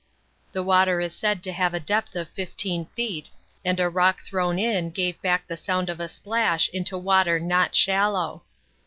The water is said to have a depth of fifteen feet, and a rock thrown in gave back the sound of a splash into water not shallow.